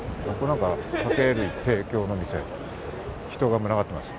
酒類提供の店、人が群がっています。